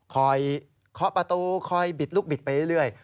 เคาะประตูคอยบิดลูกบิดไปเรื่อย